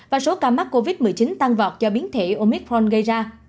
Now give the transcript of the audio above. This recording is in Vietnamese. và số ca mắc covid một mươi chín tăng vọt do biến thể omicron gây ra